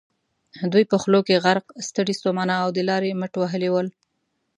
دوی په خولو کې غرق، ستړي ستومانه او د لارې مټ وهلي ول.